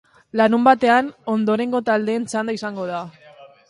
Larunbatean, ondorengo taldeen txanda izango da.